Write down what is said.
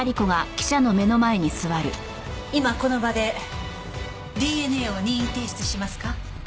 今この場でＤＮＡを任意提出しますか？